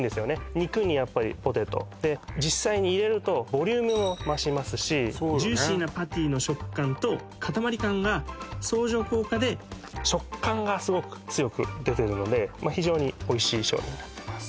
肉にやっぱりポテトで実際に入れるとボリュームも増しますしジューシーなパティの食感と塊感が相乗効果で食感がスゴく強く出てるので非常においしい商品になってます